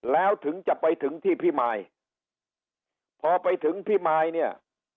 แล้วถึงจะไปถึงที่พี่มายพอไปถึงพี่มายเนี่ย